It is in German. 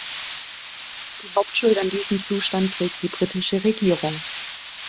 Die Hauptschuld an diesem Zustand trägt die britische Regierung.